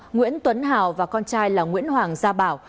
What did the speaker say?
nguyễn tuấn hào và con trai là nguyễn hoàng gia bảo